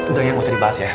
udah ya gak usah dibahas ya